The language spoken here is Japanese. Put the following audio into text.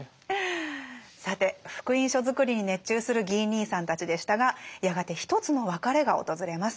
さて福音書作りに熱中するギー兄さんたちでしたがやがて一つの別れが訪れます。